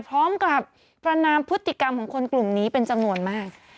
พร้อมกับประนามพฤติกรรมของคนกลุ่มนี้เป็นจำนวนมาก